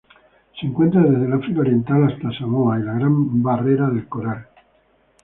Se encuentra desde el África Oriental hasta Samoa y la Gran Barrera de Coral.